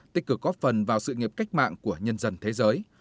tích cực góp phần vào sự nghiệp cách mạng của nhân dân thế giới